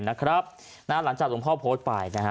หลังจากหลวงพ่อโพสต์ไปนะฮะ